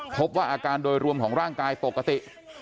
พบว่าอาการโดยรวมของร่างกายปกติ